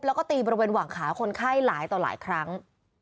แล้วก็ตีบริเวณหว่างขาคนไข้หลายต่อหลายครั้ง